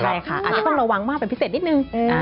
ใช่ค่ะอาจจะต้องระวังมากเป็นพิเศษนิดนึง